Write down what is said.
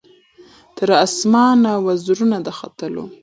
تر اسمانه وزرونه د ختلو